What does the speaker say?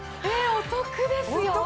お得ですよ！